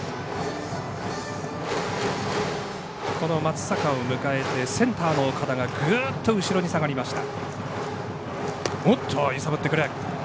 この松坂を迎えてセンターの岡田がグッと後ろに下がりました。